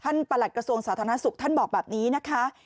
ท่านประหลักกระทรวงศาสนาสุบท่านบอกแบบนี้นะคะ